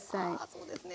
そうですね